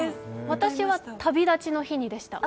私は「旅立ちの日に」でした。